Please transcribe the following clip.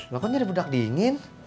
gak kan nyari bedak dingin